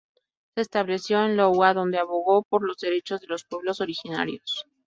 Se estableció en Iowa, donde abogó por los derechos de los pueblos originarios.